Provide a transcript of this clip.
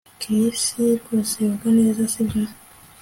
Chris rwose yoga neza sibyo